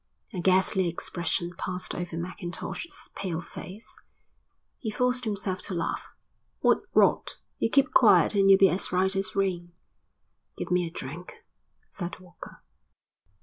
A ghastly expression passed over Mackintosh's pale face. He forced himself to laugh. "What rot! You keep quiet and you'll be as right as rain." "Give me a drink," said Walker.